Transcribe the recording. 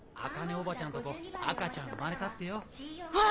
おばちゃんとこ赤ちゃん生まれたってよ。え！